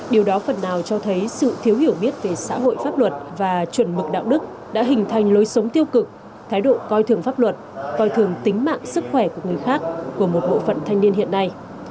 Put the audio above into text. điều đó phần nào cho thấy sự thiếu hiểu biết về xã hội pháp luật và chuẩn mực đạo đức đã hình thành lối sống tiêu cực thái độ coi thường pháp luật coi thường tính mạng sức khỏe của người khác của một bộ phận thanh niên hiện nay